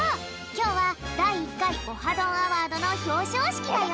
きょうはだい１かい「オハ！どんアワード」のひょうしょうしきだよ！